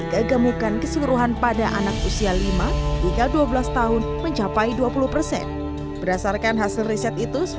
kegemukan keseluruhan pada anak usia lima hingga dua belas tahun mencapai dua puluh persen berdasarkan hasil riset itu